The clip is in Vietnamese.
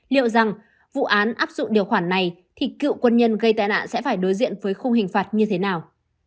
liệu rằng vụ án áp dụng điều khoản này thì cựu quân nhân gây tai nạn sẽ phải đối diện với khung hình phạt như thế nào